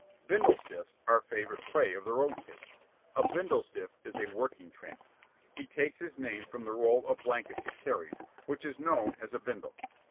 "Bindle stiffs" are favorite prey of the road kids. A bindle stiff is a working tramp. He takes his name from the roll of blankets he carries, which is known as a "bindle."